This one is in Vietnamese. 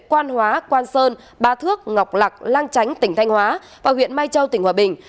quan hóa quan sơn ba thước ngọc lạc lang chánh tỉnh thanh hóa và huyện mai châu tỉnh hòa bình